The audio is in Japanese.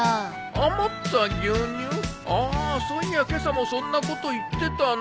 あそういや今朝もそんなこと言ってたな。